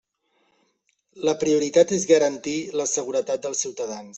La prioritat és garantir la seguretat dels ciutadans.